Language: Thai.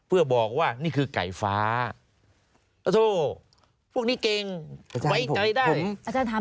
แล้วก็มีแผนที่เขตรักษาพันธุ์สัตว์ป่า